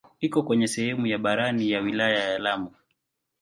Iko kwenye sehemu ya barani ya wilaya ya Lamu.